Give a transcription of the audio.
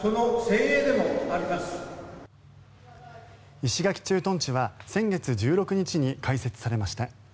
石垣駐屯地は先月１６日に開設されました。